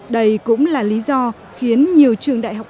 đây cũng là lý do khiến nhiều trường đại học